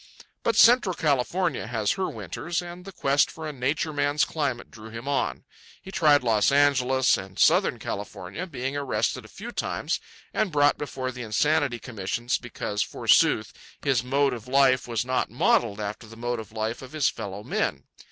But Central California has her winters, and the quest for a Nature Man's climate drew him on. He tried Los Angeles and Southern California, being arrested a few times and brought before the insanity commissions because, forsooth, his mode of life was not modelled after the mode of life of his fellow men.